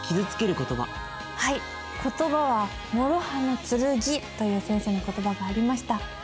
「言葉は諸刃の剣」という先生の言葉がありました。